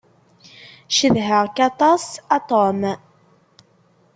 Cedheɣ-k aṭas a Tom.